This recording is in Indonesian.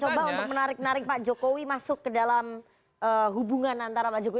yang mencoba untuk menarik narik pak jokowi masuk ke dalam hubungan antara mbak puan dan jokowi